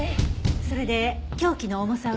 それで凶器の重さは。